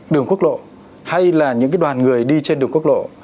đường quốc lộ hay là những đoàn người đi trên đường quốc lộ